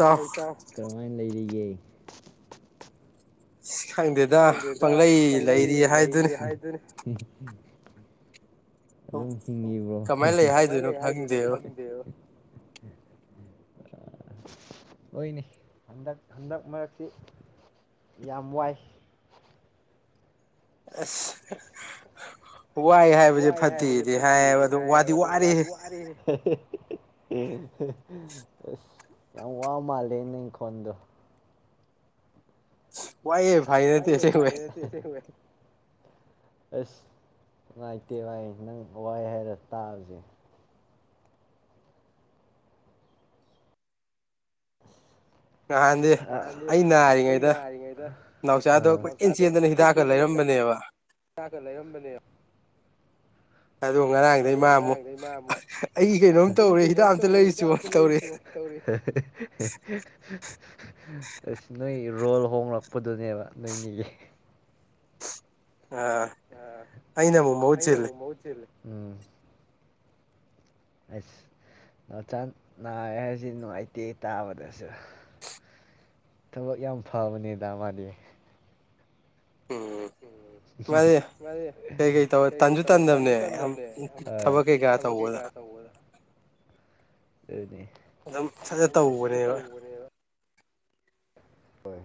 ꯑ ꯑꯣꯏꯣꯏꯇꯥ ꯀꯃꯥꯏꯅ ꯂꯩꯔꯤꯌꯦ ꯎ [unintelligible] ꯈꯪꯗꯦꯗ ꯄꯪꯂꯩ ꯂꯩꯔꯤ ꯍꯥꯏꯗꯨꯅꯤ ꯍ [unintelligible] ꯑꯗꯨꯝ ꯍꯤꯡꯉꯤꯕ꯭ꯔꯣ ꯀꯃꯥꯏꯅ ꯂꯩ ꯍꯥꯏꯗꯣꯏꯅꯣ ꯈꯪꯗꯦꯕ ꯑꯣꯏꯅꯤ ꯍꯟꯗꯛ ꯍꯟꯗꯛ ꯃꯔꯛꯁꯤ ꯌꯥꯝ ꯋꯥꯏ ꯑꯁ ꯋꯥꯏ ꯍꯥꯏꯕꯁꯦ ꯐꯠꯇꯦꯗꯤ ꯍꯥꯏꯌꯦꯕ ꯑꯗꯨꯝ ꯋꯥꯗꯤ ꯋꯥꯔ ꯑꯁ ꯌꯥꯝ ꯋꯥ ꯃꯥꯜꯂꯦ ꯅꯪ ꯈꯣꯟꯗꯣ [inaudible] ꯋꯥꯏꯌꯦ ꯐꯥꯏ ꯅꯠꯇꯦ ꯑꯁ ꯅꯨꯡꯉꯥꯏꯇꯦ ꯋꯥꯏ ꯅꯪ ꯋꯥꯏ ꯍꯥꯏꯔ ꯇꯥꯕꯁꯦ ꯗꯤ ꯑꯩ ꯅꯥꯔꯤꯉꯩꯗ ꯄꯥꯎꯆꯥꯗꯣ ꯀꯣꯏꯆꯦꯟ ꯆꯦꯟꯗꯅ ꯍꯤꯗꯥꯛ ꯂꯩꯔꯝꯕꯅꯦ ꯑꯗꯣ ꯉꯔꯥꯡꯗꯒꯤ ꯃꯥ ꯑꯃꯨꯛ ꯑꯩ ꯀꯩꯅꯣꯝ ꯇꯧꯔꯦ ꯍꯤꯗꯥꯛ ꯑꯃꯇ ꯂꯩꯔꯤꯁꯨ ꯇꯧꯔꯦ ꯑꯁ ꯅꯣꯏ ꯔꯣꯜ ꯍꯣꯡꯂꯛꯄꯗꯨꯅꯦꯕ ꯅꯣꯏꯅꯤꯒꯤ ꯑ ꯑꯩꯅ ꯑꯃꯨꯛ ꯃꯍꯨꯠꯁꯤꯂꯦ ꯎꯝ ꯑꯁ ꯅꯆ ꯅꯥ ꯍꯥꯏꯁꯤ ꯅꯨꯡꯉꯥꯏꯇꯦ ꯇꯥꯕꯗꯁꯨ ꯊꯕꯛ ꯌꯥꯝ ꯐꯕꯅꯤꯗ ꯃꯥꯗꯤ ꯎꯝ ꯃꯥꯅꯦ ꯀꯩꯀꯩ ꯇꯧ ꯇꯟꯁꯨ ꯇꯟꯗꯕꯅꯦ ꯊꯕꯛ ꯀꯩꯀꯥ ꯇꯧꯕꯗ ꯂꯩꯅꯦ [unintelligible] ꯑꯗꯨꯝ ꯁꯠꯖꯠ ꯇꯧꯕꯅꯦꯕ ꯍꯣꯏ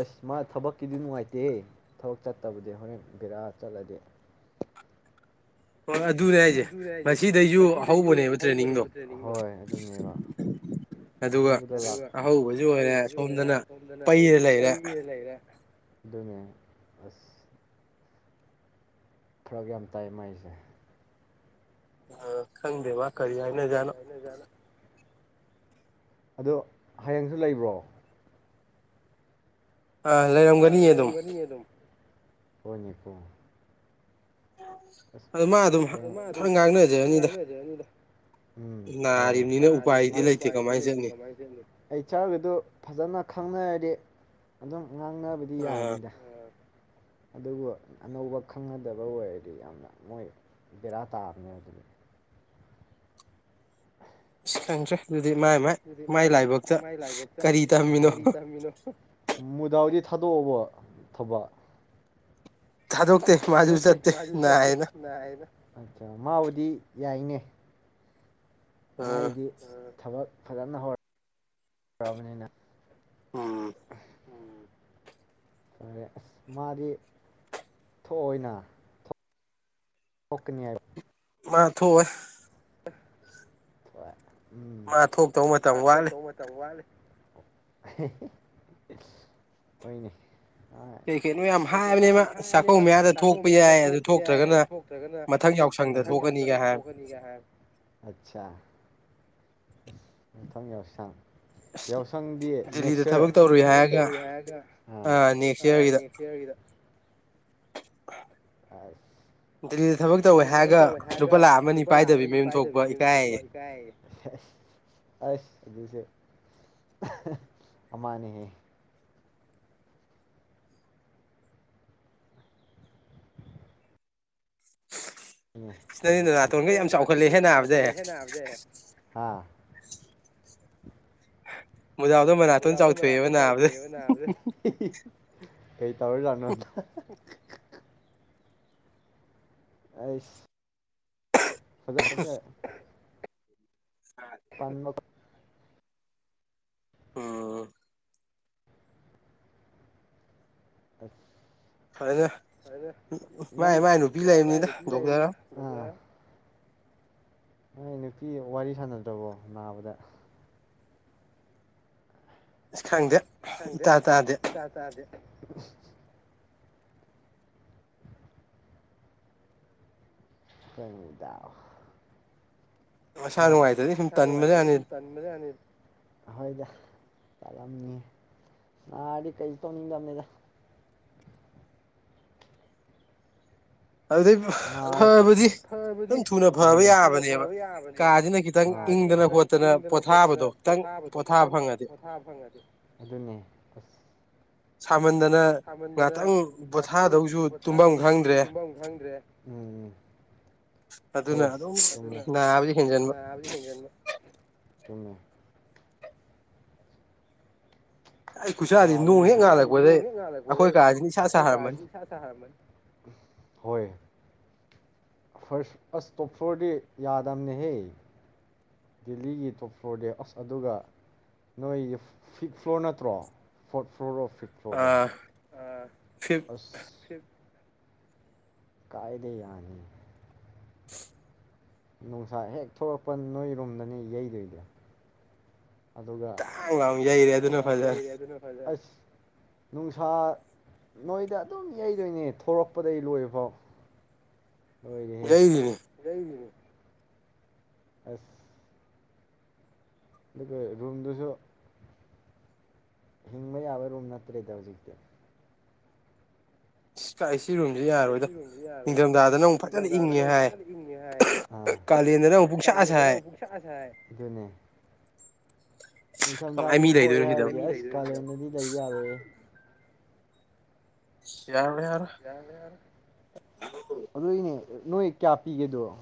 ꯑꯁ ꯃꯥ ꯊꯕꯛꯀꯤꯗꯤ ꯅꯨꯡꯉꯥꯏꯇꯦ ꯊꯕꯛ ꯆꯠꯇꯕꯗꯤ ꯍꯣꯔꯦꯟ ꯕꯤꯔꯥ ꯆꯠꯂꯗꯤ ꯍꯣꯏ ꯑꯗꯨꯅꯦ ꯍꯥꯏꯁꯦ ꯉꯁꯤꯗꯩꯁꯨ ꯑꯍꯧꯕꯅꯦꯕ ꯇꯅꯤꯡ ꯑꯍꯧꯕꯁꯨ ꯑꯣꯏꯔꯦ ꯁꯣꯝꯗꯅ ꯄꯩꯅ ꯂꯩꯔꯦ ꯑꯗꯨꯅꯦ ꯑꯁ ꯐꯔꯛ ꯌꯥꯝ ꯇꯥꯏ ꯃꯥꯏꯁꯦ ꯑ ꯈꯪꯗꯦ ꯃꯥ ꯀꯔꯤ ꯍꯥꯏꯅꯖꯥꯠꯅꯣ ꯑꯗꫭ ꯍꯌꯦꯡꯁꯨ ꯂꯩꯕ꯭ꯔꯣ ꯑꯥ ꯂꯩꯔꯝꯒꯅꯤꯌꯦ ꯑꯗꯨꯝ ꯍꯅꯤꯀ [unintelligible] ꯑꯗꯨ ꯃꯥ ꯑꯗꯨꯝ ꯈꯔ ꯉꯥꯡꯅꯖ ꯑꯅꯤꯗ ꯎꯝ ꯑꯣ ꯑꯩ ꯆꯔꯒꯗꯨ ꯐꯖꯅ ꯈꯪꯅꯔꯗꯤ ꯑꯗꯨꯝ ꯉꯥꯡꯅꯥꯅꯕꯗꯤ ꯌꯥꯅꯤꯗ ꯑꯗꯨꯕꯨ ꯑꯅꯧꯕ ꯈꯪꯉꯗꯕ ꯑꯣꯏꯔ ꯗꯤ ꯌꯥꯝꯅ ꯃꯣꯏ ꯕꯦꯔꯥ ꯇꯥꯕꯅꯦ ꯑꯗꯨꯗꯤ [unintelligible] ꯑꯗꯨꯗꯤ ꯃꯥꯏ ꯃꯥꯏ ꯃꯥꯏ ꯂꯥꯏꯕꯛꯇ ꯀꯔꯤ ꯇꯝꯃꯤꯅꯣ ꯃꯗꯥ ꯊꯥꯗꯣꯛꯑꯕ ꯊꯕꯛ ꯊꯥꯗꯣꯛꯇꯦ ꯃꯥꯁꯨ ꯆꯠꯇꯦ ꯅꯥꯕ ꯃꯥꯕꯨꯗꯤ ꯌꯥꯏꯅꯦ ꯑꯩꯗꯤ ꯊꯕꯛ ꯐꯖꯅ ꯍꯔ ꯄ꯭ꯔꯥꯕꯅꯤꯅ ꯑꯝ ꯑꯔꯦ ꯑꯁ ꯃꯥꯗꯤ ꯊꯣꯛꯑꯣꯏꯅ ꯀꯣꯛ ꯀꯅꯤ ꯍꯥꯏ ꯃꯥꯊꯣꯛꯑꯣꯏ ꯍꯣꯏ ꯃꯥ ꯊꯣꯛꯇꯧ ꯃꯇꯝ ꯋꯥꯠꯂꯤ ꯍꯣꯏꯅꯤ ꯀꯩ ꯀꯩꯅꯣ ꯌꯥꯝ ꯍꯥꯏꯕꯅꯦ ꯃꯥ ꯆꯥꯛꯀꯧ ꯃꯌꯥꯗ ꯊꯣꯛꯄ ꯌꯥꯏ ꯑꯗꯨ ꯊꯣꯛꯇ꯭ꯔꯒꯅ ꯃꯊꯪ ꯌꯥꯎꯁꯪꯗ ꯊꯣꯛꯀꯅꯤꯒ ꯍꯥꯏꯕ ꯑꯆꯥ ꯎꯊꯪ ꯌꯧꯁꯪ ꯌꯥꯎꯁꯪꯗꯤ ꯅꯦꯛꯁ ꯏꯌꯥꯔ ꯑꯗ ꯊꯕꯛ ꯇꯧꯔꯨꯏ ꯍꯥꯏꯔꯒ ꯅꯦꯛꯁ ꯏꯌꯥꯔꯒꯤꯗ ꯑꯁ ꯑꯗꯨꯗꯤ ꯊꯕꯛ ꯇꯧꯋꯦ ꯍꯥꯏꯔꯒ ꯂꯨꯄꯥ ꯂꯥꯈ ꯑꯃꯅꯤ ꯄꯥꯏꯗꯕꯤ ꯃ ꯑꯃ ꯊꯣꯛꯄ ꯏꯀꯥꯏ ꯑ ꯑꯁ ꯑꯃꯅꯦꯍꯦ ꯁꯤ ꯅꯥꯇꯣꯟꯈꯩ ꯌꯥꯝ ꯆꯥꯎꯈꯠꯂꯦ ꯍꯦꯟꯅꯕꯁꯦ ꯍ ꯃꯖꯥꯗꯣ ꯃꯅꯥꯛꯇꯣꯟ ꯆꯥꯎꯊꯣꯛꯑꯦꯕ ꯅꯥꯕꯁ ꯀꯩ ꯇꯧꯔꯖꯥꯠꯅꯣ ꯑꯁ [inaudible] ꯀꯥꯟꯃ ꯑꯝ ꯑꯁ ꯐꯥꯔꯦꯗ ꯅꯪ ꯃꯥꯏ ꯃꯥꯏ ꯅꯨꯄꯤ ꯂꯩꯕꯅꯤꯗ ꯍꯣꯏ ꯅꯨꯄꯤ ꯋꯥꯔꯤ ꯁꯥꯟꯅꯗ꯭ꯔꯕꯣ ꯅꯥꯕꯗ ꯈꯪꯗꯦ ꯈꯪꯗꯦ ꯏꯇꯥ ꯏꯇꯥꯗꯦ ꯀꯗꯥ ꯑꯁ ꯏꯁꯥ ꯅꯨꯉꯥꯏꯠꯔꯒꯗꯤ ꯁꯨꯝ ꯇꯟꯅꯖꯠ ꯃꯅꯤꯗ ꯇꯜꯂꯝꯅꯤ ꯅꯔꯗꯤ ꯗꯤ ꯀꯩ ꯇꯧꯅꯤꯡꯃꯦꯗ ꯐꯔꯕꯗꯤ ꯌꯥꯝ ꯊꯨꯅ ꯐꯕ ꯌꯥꯕꯅꯦꯕ ꯀꯥꯁꯤꯅ ꯈꯤꯇꯪ ꯏꯪꯗꯅ ꯈꯣꯠꯇꯅ ꯄꯣꯊꯥꯕꯗꯣ ꯈꯤꯇꯪ ꯄꯣꯊꯥꯕ ꯐꯪꯉꯗꯤꯦ ꯑꯁ ꯁꯝ ꯁꯥꯃꯟꯗꯅ ꯉꯥꯛꯇꯪ ꯄꯣꯊꯥꯗꯧꯁꯨ ꯇꯨꯝꯐꯝ ꯈꯪꯗ꯭ꯔꯦ ꯎ ꯑꯗꯨꯅ ꯑꯗꯨꯝ ꯅꯥꯕꯗꯤ ꯈꯖꯤꯟꯕ ꯆꯨꯝꯃꯦ ꯗꯤ ꯅꯣꯡ ꯍꯦꯛ ꯉꯥꯜꯂꯛꯄꯗꯩ ꯑꯩꯈꯣꯏ ꯀꯥꯗꯤ ꯏꯁꯥ ꯁꯥꯔꯃꯅꯤ ꯍꯣꯏ ꯑꯁ ꯇꯣꯝꯐꯣꯔꯗꯤ ꯌꯥꯗꯝꯅꯤꯍꯦ ꯗꯦꯜꯂꯤꯒꯤ ꯇꯣꯞ ꯐ꯭ꯂꯣꯔꯗꯤ ꯑꯁ ꯑꯗꯨꯒ ꯅꯣꯏꯒꯤ ꯐꯤꯞ ꯐ꯭ꯂꯣꯔ ꯅꯠꯇ꯭ꯔꯣ ꯐꯣꯔꯠ ꯐ꯭ꯂꯣꯔ ꯑꯣꯐ ꯐꯤꯠ ꯐꯣꯔꯗꯣ ꯑꯠ ꯀꯥꯏꯗꯦ ꯌꯥꯅꯤ ꯅꯨꯡꯁꯥ ꯍꯦꯛ ꯊꯣꯛꯂꯛꯄ ꯅꯣꯏꯔꯣꯨꯝꯗꯅꯤ ꯌꯩꯗꯣꯏꯗ ꯑꯗꯨꯒ ꯉꯥꯡꯖꯩꯔꯦ ꯑꯗꯨꯅ ꯐꯖ ꯑꯁ ꯅꯨꯡꯁꯥ ꯅꯣꯏꯗ ꯑꯗꯨꯝ ꯌꯩꯗꯣꯏꯅꯦ ꯊꯣꯔꯛꯄꯗꯒꯤꯩ ꯂꯣꯏꯕꯐꯥꯎ ꯌꯥꯏꯅꯤꯅꯦ ꯑꯁ ꯑꯗꯨꯒ ꯔꯨꯝꯗꯨꯁꯨ ꯍꯤꯡꯕ ꯌꯥꯕ ꯔꯨꯝ ꯅꯠꯇ꯭ꯔꯦꯗ ꯍꯧꯖꯤꯛꯇꯤ ꯀꯥꯏ ꯥꯛ ꯁꯤꯔꯣꯝꯁ ꯌꯥꯔꯣꯏꯗ ꯅꯤꯡꯊꯝꯊꯥꯗꯅ ꯑꯃꯨꯛ ꯐꯖꯅ ꯏꯪꯉꯦ ꯍꯥꯏ ꯀꯥꯂꯦꯟꯗꯅ ꯑꯃꯨꯛ ꯄꯛꯁꯛꯑꯁꯦ ꯍꯥꯏ ꯅꯤꯡꯊꯝꯊꯥꯗꯤ ꯍꯣꯏ ꯍꯥꯏꯔꯒ ꯑ ꯀꯥꯂꯦꯟꯗꯗꯤ ꯂꯩꯕ ꯌꯥꯔꯣꯏꯦ ꯍ ꯌꯥꯔꯃꯦꯔ ꯅꯣꯏ ꯀꯌꯥ ꯄꯤꯒꯦꯗꯣ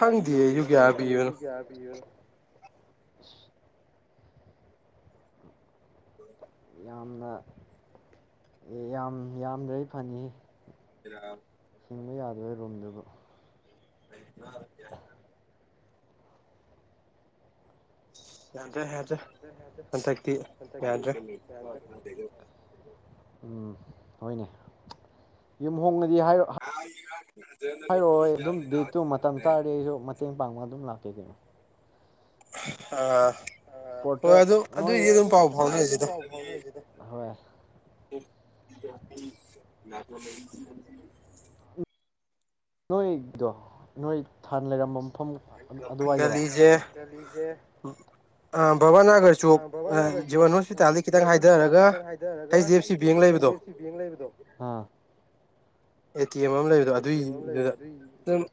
ꯈꯡꯗꯦ ꯑꯩ ꯁꯨ ꯀꯌꯥ ꯄꯤꯕꯅꯤꯗꯨ [inaudible] ꯌꯥꯝꯅ ꯌꯥꯝ ꯌꯥꯝꯗ꯭ꯔꯩ ꯐꯅꯤ ꯍꯔ ꯏꯤꯡꯕ ꯌꯥꯗꯣꯏ ꯔꯨꯝꯗꯨꯗ ꯑꯩ ꯑꯗꯨꯗ [unintelligible] ꯍꯟꯊꯛꯇꯤ ꯌꯥꯗ꯭ꯔꯦ ꯎꯝ ꯍꯣꯏꯅꯦ ꯌꯨꯝ ꯍꯣꯡꯅ ꯍꯥꯏꯔꯛꯑꯣꯣꯏ ꯑꯗꯨꯝ ꯗꯦ ꯇꯨ ꯃꯇꯝ ꯆꯥꯔꯗꯤ ꯑꯩꯁꯨ ꯃꯇꯦꯡ ꯄꯥꯡꯕ ꯑꯗꯨꯝ ꯂꯥꯛꯦ ꯀ ꯀꯣ [unintelligible] ꯑ ꯄꯣꯠꯇ ꯅꯃ [unintelligible] ꯅꯣꯏꯗꯣ ꯅꯣꯏ ꯊꯥꯟ ꯂꯩꯔꯝꯝꯕ ꯃꯐꯝ ꯑꯗꯨꯋꯥꯏꯗꯔꯣ ꯑꯝ ꯕꯕꯥ ꯅꯥꯒꯥꯔꯆꯣꯛ ꯖꯤꯕꯟ ꯍꯣꯁꯄꯤꯇꯥꯜꯗꯩ ꯈꯤꯇꯪ ꯍꯥꯏꯗꯔꯒ ꯍꯩꯁ ꯗꯤ ꯑꯦꯐ ꯁꯤ ꯕꯦꯡ ꯂꯩꯕꯗꯣ ꯑꯦ ꯇꯤ ꯑꯦꯝ ꯑꯃ ꯂꯩꯕꯗꯣ ꯑꯗꯨꯏꯗꯨꯗ ꯑꯗꯨꯝ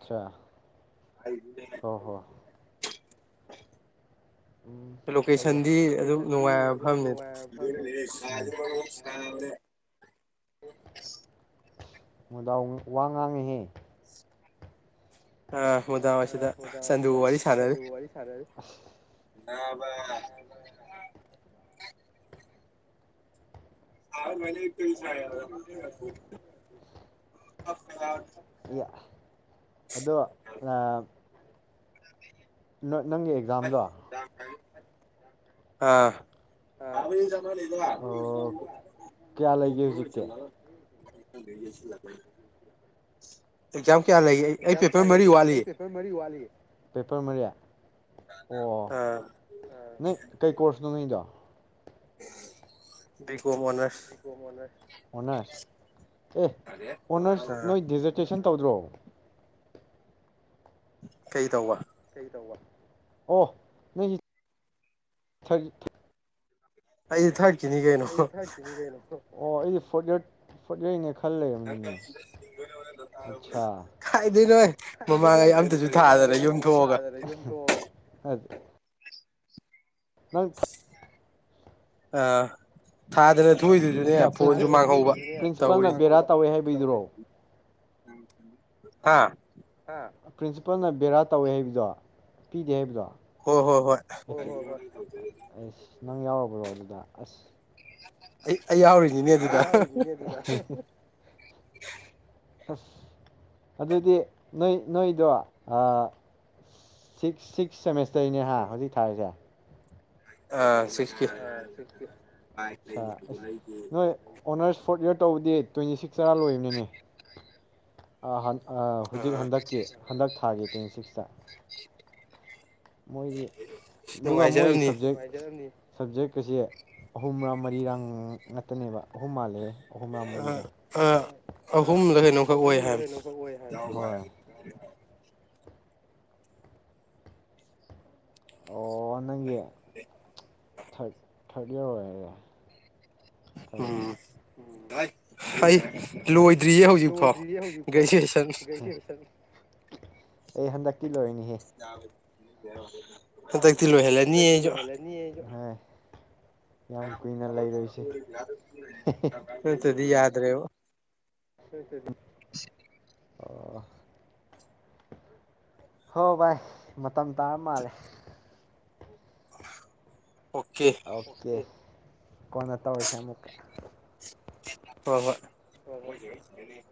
ꯁꯌꯥ [unintelligible] [inaudible] ꯂꯣꯀꯦꯁꯟꯗꯤ ꯑꯗꯨꯝ ꯅꯨꯡꯉꯥꯏꯕ ꯃꯐꯝꯅꯦ [unintelligible] ꯃꯨꯗꯥ ꯋꯥ ꯉꯥꯡꯉꯤꯍꯦ ꯑ ꯃꯨꯗꯥ ꯍꯣꯏꯁꯤꯗ ꯁꯟꯗꯨꯒ ꯋꯥꯔꯤ ꯁꯥꯟꯅꯔꯦ [unintelligible] [unintelligible] [unintelligible] ꯑꯗꯣ ꯑ ꯅꯣꯏ ꯅꯪꯒꯤ ꯑꯦꯖꯥꯝꯗꯣ ꯑꯥ [unintelligible] ꯑꯦꯖꯥꯝ ꯑꯦꯖꯥꯝ ꯀꯌꯥ ꯂꯩꯒꯦ ꯑꯩ ꯄꯦꯄꯔ ꯃꯔꯤ ꯋꯥꯠꯂꯤ ꯄꯦꯄꯔ ꯃꯔꯤ ꯑꯣ ꯅꯪ ꯀꯩ ꯀꯣ꯭ꯔꯁꯅꯣ ꯅꯪꯒꯤꯗꯣ ꯕꯤ ꯀꯣꯝ ꯑꯣꯅ꯭ꯔꯁ ꯑꯣꯅ꯭ꯔꯁ ꯑꯦ ꯑꯣꯅ꯭ꯔꯁ ꯅꯣꯏ ꯗꯤꯖꯔꯇꯦꯁꯟ ꯇꯧꯗ꯭ꯔꯣ ꯀꯩ ꯇꯧꯕ ꯑꯣ ꯅꯣꯏ ꯑꯩ ꯊ ꯁꯦꯝꯅꯤ ꯀꯦꯅꯣ ꯑꯣ ꯑꯩꯗꯤ ꯐꯣ꯭ꯔꯠ ꯌꯔ ꯐꯣ꯭ꯔꯠ ꯌꯔꯅꯦ ꯈ ꯈꯜ ꯂꯩꯔꯝꯃꯤꯅꯤꯅꯦ ꯑꯁꯥ ꯍꯥꯏꯗꯤ ꯅꯣꯏ ꯃꯃꯥꯡꯉꯩ ꯑꯝꯇꯁꯨ ꯊꯥꯗꯅ ꯌꯨꯝ ꯊꯣꯛ ꯑꯒ [unintelligible] ꯅꯪ ꯑ ꯑ ꯄꯔꯤꯁꯤꯄꯜꯅ ꯕꯦꯔꯥ ꯇꯧꯋꯦ ꯍꯥꯏ ꯄꯤꯗ꯭ꯔꯣ ꯍꯥꯥ ꯄ꯭ꯔꯤꯟꯁꯤꯄꯥꯜꯅ ꯕꯦꯔꯥ ꯇꯧꯋꯦ ꯍꯥꯏꯕꯗꯣ ꯄꯤꯗꯦ ꯍꯥꯏꯕꯗꯣ ꯑꯁ ꯅꯪ ꯌꯥꯎꯔꯕ꯭ꯔꯣ ꯑꯗꯨꯗ ꯑꯁ ꯑꯩ ꯑꯩ ꯌꯥꯎꯔꯤꯅꯤꯅꯦ ꯑꯗꯨꯗ ꯑꯁ ꯑꯗꯨꯗꯤ ꯅꯣꯏ ꯅꯣꯏꯗꯣ ꯑꯥ ꯁꯤꯛꯁ ꯁꯦꯃꯤꯁ [unintelligible] ꯍꯧꯖꯤꯛ ꯊꯥꯔꯤꯁꯦ ꯑꯥ [inaudible] [inaudible] ꯅꯣꯏ ꯑꯣꯅꯔꯁ ꯐꯣꯔꯠ ꯏꯌꯥꯔ ꯇꯧꯕꯗꯤ ꯇ꯭ꯋꯦꯟꯇꯤ ꯁꯤꯛꯁꯇꯥ ꯂꯣꯏꯕꯅꯤꯅꯦ ꯍꯥꯟ ꯍꯧꯖꯤꯛ ꯍꯟꯗꯛꯀꯤ ꯍꯟꯗꯛ ꯊꯥꯒꯤ ꯇ꯭ꯋꯦꯟꯇꯤꯁꯤꯛꯁ [unintelligible] [unintelligible] ꯃꯣꯏꯒꯤ ꯑꯗꯨꯒ ꯃꯣꯏꯒꯤ ꯁꯕꯖꯦꯛ [unintelligible] ꯁꯕꯖꯦꯛꯀꯁꯦ ꯑꯍꯨꯝꯔꯥ ꯃꯔꯤꯔꯥꯡ ꯅꯠꯇꯅꯦꯕ ꯑꯍꯨꯝ ꯃꯥꯜꯂꯦ ꯑꯍꯨꯝꯔ ꯃꯔꯤꯔꯥ ꯑꯍꯨꯝꯂ ꯀꯩꯅꯣꯈꯛ ꯑꯣꯏ ꯍꯥꯏ ꯍꯣꯏ꯫ ꯑꯣ ꯅꯪꯒꯤ ꯊꯥꯔꯠ ꯏꯌꯥꯔ ꯑꯣꯏꯔꯦ ꯎꯝ ꯑꯩ ꯂꯣꯏꯗ꯭ꯔꯤꯌꯦ ꯍꯧꯖꯤꯛꯐꯥꯎ ꯒ꯭ꯔꯦꯖꯨꯑꯦꯁꯟ ꯑꯦ ꯍꯟꯗꯛꯀꯤ ꯂꯣꯏꯔꯅꯤ [unintelligible] [unintelligible] ꯍꯟꯗꯛꯇꯤ ꯂꯣꯏꯍꯜꯂꯥꯅꯤ ꯑꯩꯁꯨ [unintelligible] [unintelligible] [unintelligible] [unintelligible] ꯑꯣ ꯍꯣ ꯚꯥꯏ ꯃꯇꯝ ꯇꯥꯔꯝ ꯃꯥꯜꯂꯦ ꯑꯣꯀꯦ ꯀꯣꯟꯅ ꯇꯧꯔꯁꯦ ꯑꯃꯨꯛꯀ ꯍꯣꯏ ꯍꯣꯏ [unintelligible]